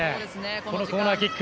このコーナーキック。